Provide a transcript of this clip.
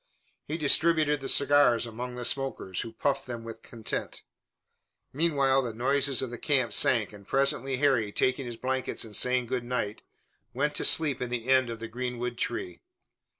He distributed the cigars among the smokers, who puffed them with content. Meanwhile the noises of the camp sank, and presently Harry, taking his blankets and saying good night, went to sleep in the Inn of the Greenwood Tree.